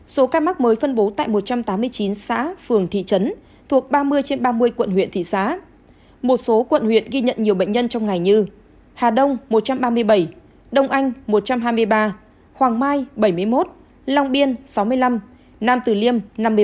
số ca mắc mới phân bố tại một trăm tám mươi chín xã phường thị trấn thuộc ba mươi trên ba mươi quận huyện thị xã một số quận huyện ghi nhận nhiều bệnh nhân trong ngày như hà đông một trăm ba mươi bảy đông anh một trăm hai mươi ba hoàng mai bảy mươi một long biên sáu mươi năm nam tử liêm năm mươi sáu